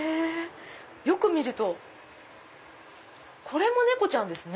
よく見るとこれも猫ちゃんですね。